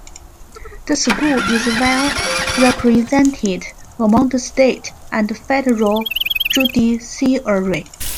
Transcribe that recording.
The school is well represented among the state and federal judiciary.